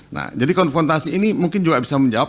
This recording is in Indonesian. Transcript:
nah jadi konfrontasi ini mungkin juga bisa menjawab